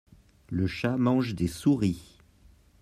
le chat mange des souris.